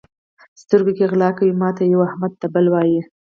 سترګو کې غلا کوي؛ ماته یوه، احمد ته بله وایي.